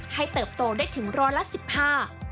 ให้เติบโตได้ถึงร้อนละ๑๕